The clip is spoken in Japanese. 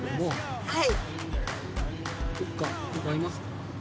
はい。